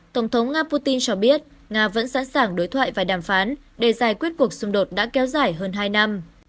tổng thống nga putin cho biết nga vẫn sẵn sàng đối thoại và đàm phán để giải quyết cuộc xung đột đã kéo dài hơn hai năm